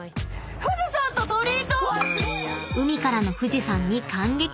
［海からの富士山に感激！］